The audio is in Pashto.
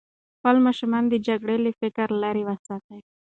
خپل ماشومان د جګړې له فکره لرې وساتئ.